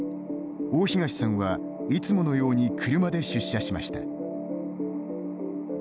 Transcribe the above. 大東さんは、いつものように車で出社しました。